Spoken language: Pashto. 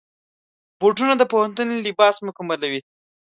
بوټونه د پوهنتون لباس مکملوي.